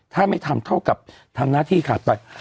ถ้าไม่ทำเท่ากับทำหน้าที่ขาดไป